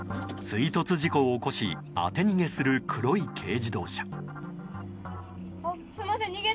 追突事故を起こし当て逃げする黒い軽自動車。